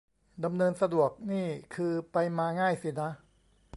ดำเนินสะดวก นี่คือไปมาง่ายสินะ